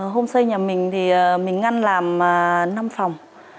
hôm xây nhà mình thì mình ngăn làm năm phòng